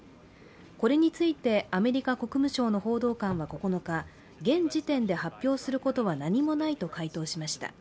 これについてアメリカ国務省の報道官は９日、現時点で発表することは何もないと回答しました。